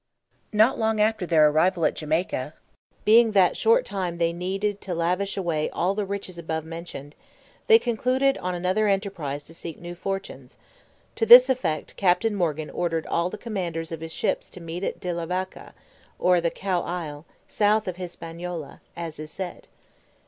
_ NOT long after their arrival at Jamaica, being that short time they needed to lavish away all the riches above mentioned, they concluded on another enterprise to seek new fortunes: to this effect Captain Morgan ordered all the commanders of his ships to meet at De la Vacca, or the Cow Isle, south of Hispaniola, as is said.